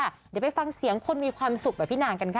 เดี๋ยวไปฟังเสียงคนมีความสุขแบบพี่นางกันค่ะ